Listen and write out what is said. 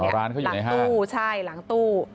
ร้านเขาอยู่ในห้้าอ๋อหลังตู้